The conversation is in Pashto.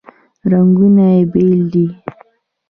رنګونه یې بیل دي.